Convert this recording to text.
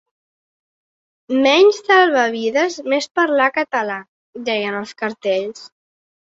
“Menys salvar vides, més parlar català”, deien els cartells.